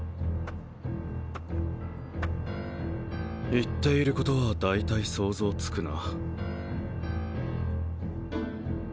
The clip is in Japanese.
言っていることは大体想像つくな。